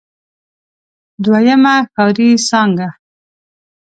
دويمه ښاري څانګه.